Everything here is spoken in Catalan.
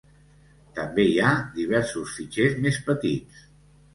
També hi ha diversos fitxers més petits.